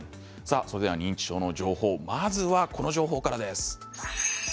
認知症の情報まず初めはこの情報からです。